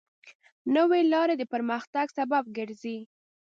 نوې لارې د پرمختګ سبب ګرځي.